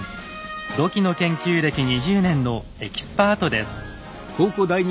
土器の研究歴２０年のエキスパートです。